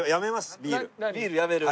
ビールやめる？